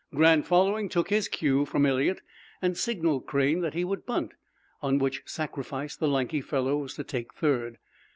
Grant, following, took his cue from Eliot and signalled Crane that he would bunt, on which sacrifice the lanky fellow was to take third.